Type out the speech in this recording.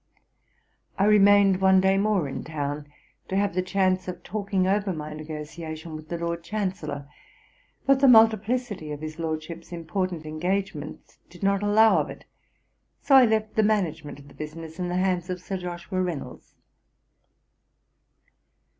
I remained one day more in town, to have the chance of talking over my negociation with the Lord Chancellor; but the multiplicity of his Lordship's important engagements did not allow of it; so I left the management of the business in the hands of Sir Joshua Reynolds.